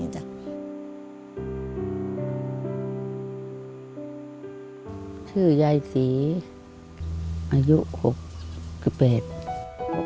ชื่อยายศรีอายุ๖๘